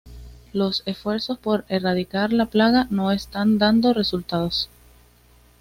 Los esfuerzos por erradicar la plaga no están dando resultados.